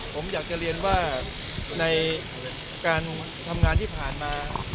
ผมอยากจะเรียนว่าในการทำงานที่ผ่านมา